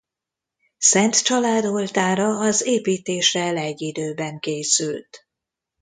Szent család oltára az építéssel egy időben készült.